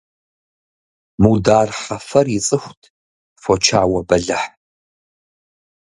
Мудар Хьэфэр ицӀыхут фочауэ бэлыхь.